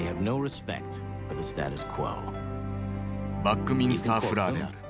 バックミンスター・フラーである。